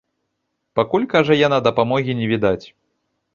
Пакуль, кажа яна, дапамогі не відаць.